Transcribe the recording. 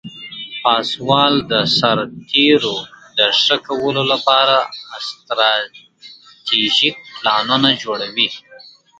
پاسوال د سرتیرو د ښه کولو لپاره استراتیژیک پلانونه جوړوي.